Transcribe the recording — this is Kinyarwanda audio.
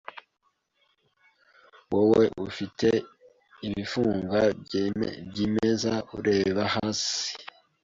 Wowe ufite ibifunga byimeza ureba hasi